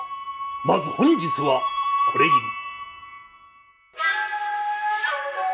まず本日はこれぎり。